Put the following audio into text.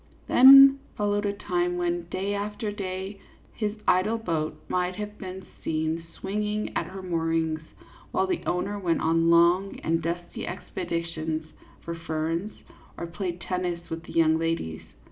Then followed a time when, day after day, his idle boat might have been seen swinging at her moorings, while the owner went on long and dusty expeditions for ferns, or played tennis with the young ladies.